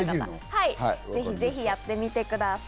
ぜひぜひ、やってみてください。